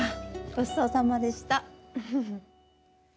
ごちそうさまでした。